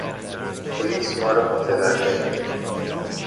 پلیس ما را متوقف کرد.